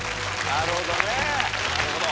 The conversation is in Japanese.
なるほど。